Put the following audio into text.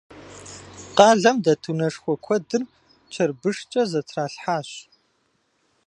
Къалэм дэт унэшхуэ куэдыр чырбышкӏэ зэтралъхьащ.